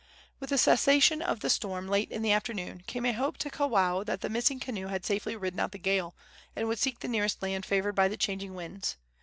With the cessation of the storm, late in the afternoon, came a hope to Kawao that the missing canoe had safely ridden out the gale, and would seek the nearest land favored by the changing winds.